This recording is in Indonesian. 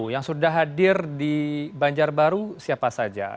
yang sudah hadir di banjarbaru siapa saja